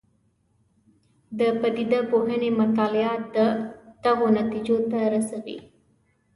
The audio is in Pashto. د پدیده پوهنې مطالعات دغو نتیجو ته رسوي.